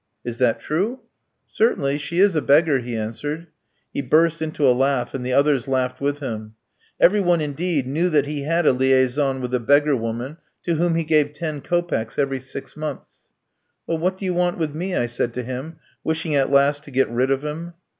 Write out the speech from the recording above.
'" "Is that true?" "Certainly, she is a beggar," he answered. He burst into a laugh, and the others laughed with him. Every one indeed knew that he had a liaison with a beggar woman, to whom he gave ten kopecks every six months. "Well, what do you want with me?" I said to him, wishing at last to get rid of him.